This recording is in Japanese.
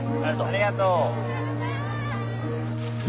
ありがとう。